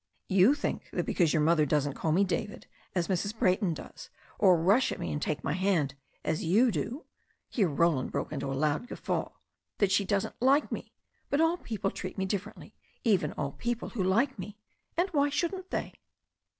"You think that because your mother doesn't call me David, as Mrs. Brayton does, or rush at me and take my hand, as you do" — ^here Roland broke into a loud guffaw — ^'^that she doesn't like me. But all people treat me differently, even all the people who like me, and why shouldn't they?"